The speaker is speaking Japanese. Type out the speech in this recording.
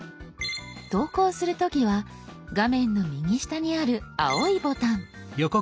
投稿する時は画面の右下にある青いボタン。